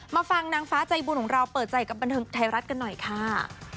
มาฟังนางฟ้าใจบุญของเราเปิดใจกับบันเทิงไทยรัฐกันหน่อยค่ะ